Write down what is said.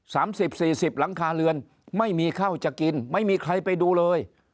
สามสิบสี่สิบหลังคาเรือนไม่มีข้าวจะกินไม่มีใครไปดูเลย